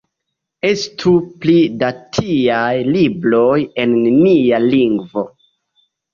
Estu pli da tiaj libroj en nia lingvo!